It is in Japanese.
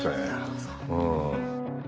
うん。